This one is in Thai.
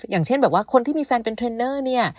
อย่างเช่นแบบว่าคนที่มีแฟนเป็นเทรนเนอร์เนี่ย